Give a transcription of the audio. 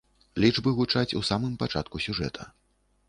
Лічбы гучаць у самым пачатку сюжэта.